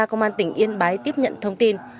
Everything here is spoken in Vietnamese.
công an tỉnh yên bái tiếp nhận thông tin